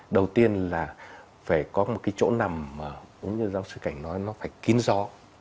đầu tiên là phải có một cái chỗ nằm mà giáo sư cảnh nói nó phải kín gió